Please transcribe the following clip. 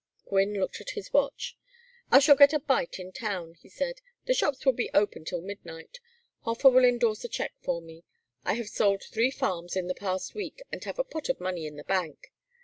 Gwynne looked at his watch. "I shall get a bite in town," he said. "The shops will be open till midnight. Hofer will endorse a check for me; I have sold three farms in the past week and have a pot of money in the bank.